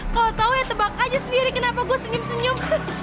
kau tahu ya tebak aja sendiri kenapa gue senyum senyum